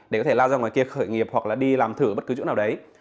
để có thể lao ra ngoài kia khởi nghiệp hoặc là đi làm thử ở bất cứ chỗ nào đấy